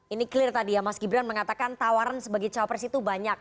ini clear tadi ya mas gibran mengatakan tawaran sebagai cawapres itu banyak